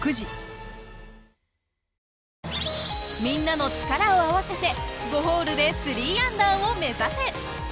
みんなの力を合わせて５ホールで３アンダーを目指せ。